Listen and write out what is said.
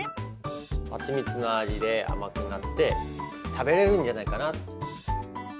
はちみつの味であまくなって食べれるんじゃないかなと。